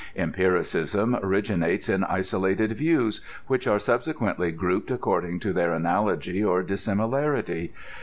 Empiricism originates in isolated views, which are subsequently grouped according to their analogy or dissimilar ity.